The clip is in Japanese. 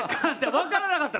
わかんなかった。